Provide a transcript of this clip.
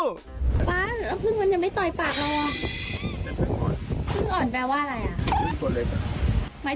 ป๊าหรือว่าพึ่งมันจะไม่ต่อยปากเราว่ะ